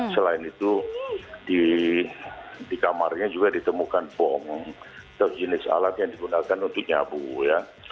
selain itu di kamarnya juga ditemukan bom atau jenis alat yang digunakan untuk nyabu ya